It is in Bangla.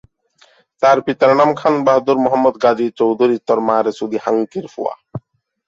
তার পিতার নাম খান বাহাদুর মোহাম্মদ গাজী চৌধুরী।